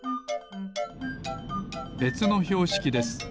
べつのひょうしきです。